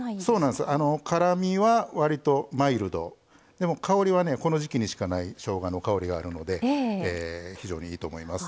でも香りはねこの時季にしかないしょうがの香りがあるので非常にいいと思います。